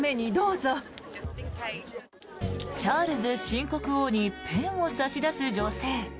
チャールズ新国王にペンを差し出す女性。